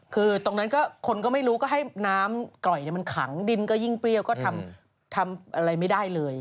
คือตรงนั้นก็คนก็ไม่รู้ก็ให้น้ำกร่อยมันขังดินก็ยิ่งเปรี้ยวก็ทำอะไรไม่ได้เลย